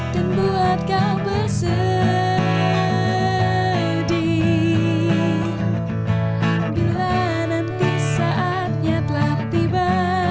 dan buat kau bersedih bila nanti saatnya telah tiba